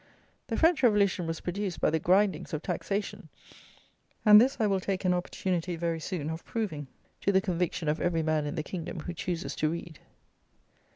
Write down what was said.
The French Revolution was produced by the grindings of taxation; and this I will take an opportunity very soon of proving, to the conviction of every man in the kingdom who chooses to read.